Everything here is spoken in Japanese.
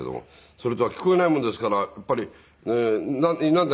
それと聞こえないもんですからやっぱり「なんだ？